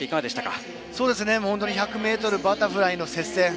１００ｍバタフライの接戦。